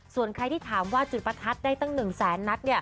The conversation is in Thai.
ส่วนใครที่ถามว่าจุดประทัดได้ตั้ง๑แสนนัด